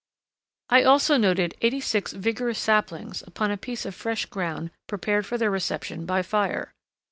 ] I also noted eighty six vigorous saplings upon a piece of fresh ground prepared for their reception by fire.